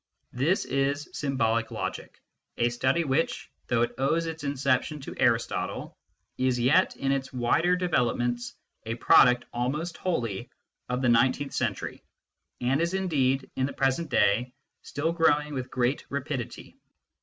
This is symbolic logic a study which, though it owes its inception to Aristotle, is yet, in its wider developments, a product, almost wholly, of the nineteenth century, and is indeed, in the present day, still growing with great rapidity.